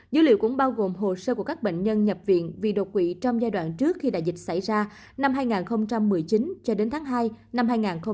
dữ liệu cũng bao gồm hồ sơ của các bệnh nhân nhập viện vì đột quỵ trong giai đoạn trước khi đại dịch xảy ra năm hai nghìn một mươi chín cho đến tháng hai năm hai nghìn hai mươi